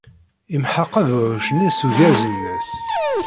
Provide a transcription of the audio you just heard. Yemḥeq abeɛɛuc-nni s ugerz-nnes.